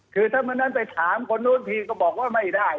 คือถ้าวันนั้นไปถามคนนู้นทีก็บอกว่าไม่ได้